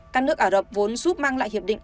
các nước ả rập vốn giúp mang lại hiệp định